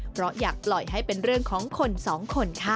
เพราะอยากปล่อยให้เป็นเรื่องของคนสองคนค่ะ